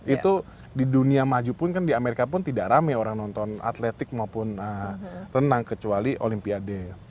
itu di dunia maju pun kan di amerika pun tidak rame orang nonton atletik maupun renang kecuali olimpiade